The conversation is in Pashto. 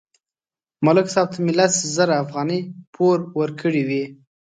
ملک صاحب ته مې لس زره افغانۍ پور ورکړې وې